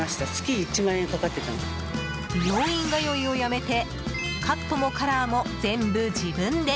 美容院通いをやめてカットもカラーも全部自分で。